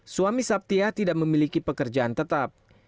suami sabtia tidak memiliki pekerjaan tetap